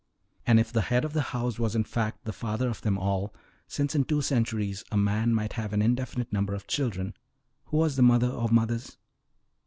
And if the head of the house was in fact the father of them all since in two centuries a man might have an indefinite number of children who was the mother or mothers?